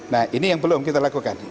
nah ini yang belum kita lakukan